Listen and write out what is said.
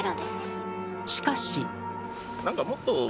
しかし。